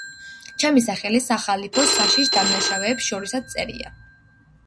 ჩემი სახელი სახალიფოს საშიშ დამნაშავეებს შორისაც წერია.